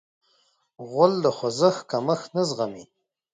غول د خوځښت کمښت نه زغمي.